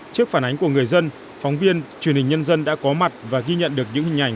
trước phản ánh của người dân phóng viên truyền hình nhân dân đã có mặt và ghi nhận được những hình ảnh